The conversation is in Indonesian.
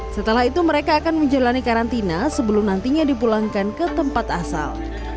setelah itu mereka akan menjalani karantina sebelum nantinya dipulangkan ke tempat asal